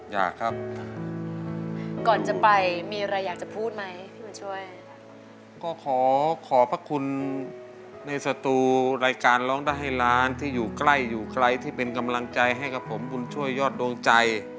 อยากครับก่อนจะไปมีอะไรอยากจะพูดไหมพี่บุญช่วยก็ขอขอพระคุณในสตูรายการร้องได้ให้ล้านที่อยู่ใกล้อยู่ใครที่เป็นกำลังใจให้กับผมบุญช่วยยอดดวงใจ